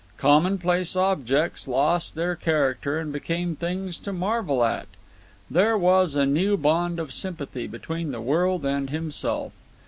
Commonplace objects lost their character and became things to marvel at. There was a new bond of sympathy between the world and himself.